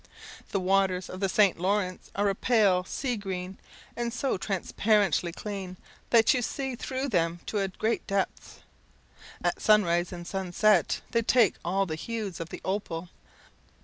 The waters of the St. Lawrence are a pale sea green, and so transparently clear that you see through them to a great depth. At sunrise and sunset they take all the hues of the opal.